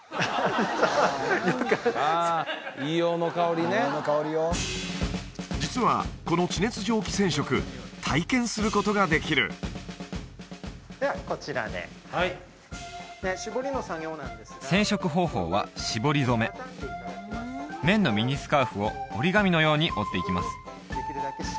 あのあ実はこの地熱蒸気染色体験することができるではこちらではい染色方法は絞り染め綿のミニスカーフを折り紙のように折っていきます